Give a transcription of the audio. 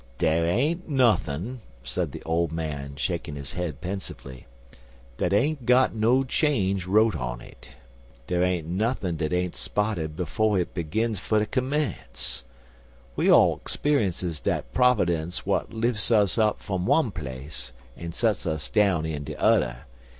"Dar ain't nuthin'," said the old man, shaking his head pensively, "dat ain't got no change wrote on it. Dar ain't nothin dat ain't spotted befo' hit begins fer ter commence. We all speunces dat p'overdence w'at lifts us up fum one place an' sets us down in de udder.